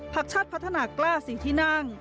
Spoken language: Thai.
ชาติพัฒนากล้า๔ที่นั่ง